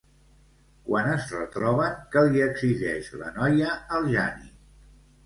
Quan es retroben, què li exigeix la noia al Jani?